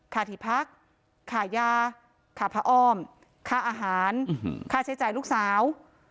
ค่าที่พักค่ายาค่าพระอ้อมค่าอาหารค่าใช้จ่ายลูกสาว